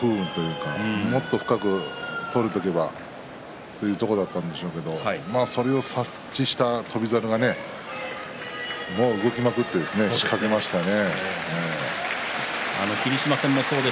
そこが不運というかもっと深く取っておけばというところだったんでしょうけれどもそれを察知した翔猿は動きまくって仕掛けましたね。